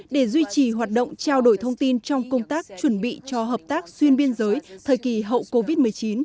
để duy trì hoạt động trao đổi thông tin trong công tác chuẩn bị cho hợp tác xuyên biên giới thời kỳ hậu covid một mươi chín